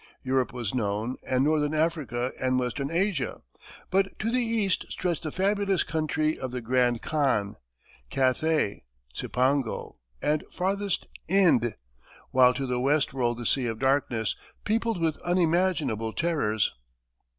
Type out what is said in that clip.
Europe was known, and northern Africa, and western Asia; but to the east stretched the fabulous country of the Grand Khan, Cathay, Cipango, and farthest Ind; while to the west rolled the Sea of Darkness, peopled with unimaginable terrors.